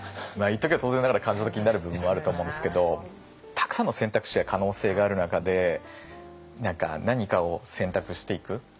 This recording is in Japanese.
一時は当然ながら感情的になる部分もあるとは思うんですけどたくさんの選択肢や可能性がある中で何か何かを選択していく。